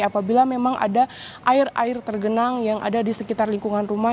apabila memang ada air air tergenang yang ada di sekitar lingkungan rumah